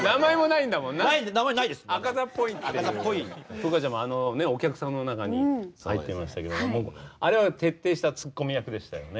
風花ちゃんもあのお客さんの中に入ってましたけどもあれは徹底したツッコミ役でしたよね。